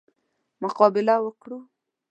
مقابله وکړو.